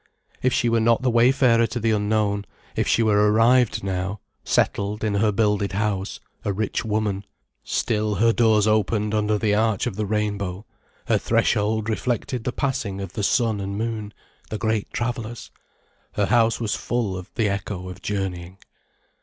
If she were not the wayfarer to the unknown, if she were arrived now, settled in her builded house, a rich woman, still her doors opened under the arch of the rainbow, her threshold reflected the passing of the sun and moon, the great travellers, her house was full of the echo of journeying.